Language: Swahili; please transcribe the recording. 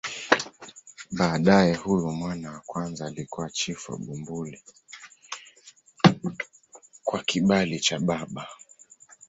Baadaye huyu mwana wa kwanza alikuwa chifu wa Bumbuli kwa kibali cha baba.